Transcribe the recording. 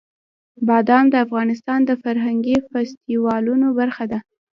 بادام د افغانستان د فرهنګي فستیوالونو برخه ده.